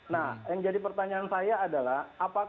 nah yang jadi pertanyaan saya adalah